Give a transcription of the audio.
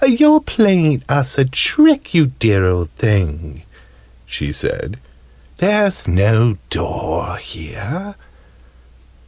"You're playing us a trick, you dear old thing!" she said. "There's no door here!"